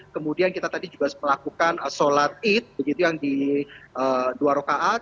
kemudian kita tadi juga melakukan sholat id begitu yang di dua rokaat